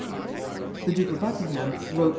The Duke of Buckingham wrote to M.